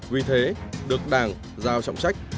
vì thế được đảng giao trọng trách